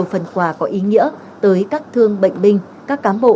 nhiều phần quà có ý nghĩa tới các thương bệnh binh các cán bộ